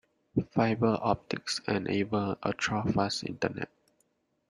Fibre optics enable ultra-fast internet.